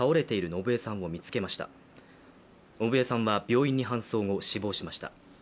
信栄さんは病院に搬送後死亡しました。